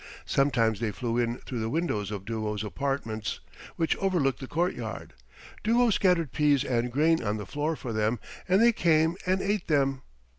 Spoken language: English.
Sometimes they flew in through the windows of Duo's apartments which overlooked the courtyard. Duo scattered peas and grain on the floor for them, and they came and ate them.